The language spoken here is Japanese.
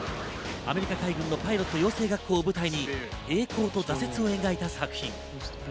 アメリカ海軍のパイロット養成学校を舞台に栄光と挫折を描いた作品。